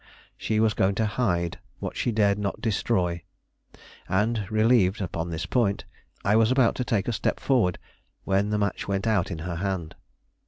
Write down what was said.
She was going to hide what she dared not destroy; and, relieved upon this point, I was about to take a step forward when the match went out in her hand.